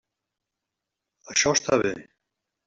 Això està bé.